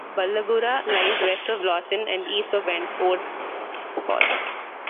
Bullaburra lies west of Lawson, and east of Wentworth Falls.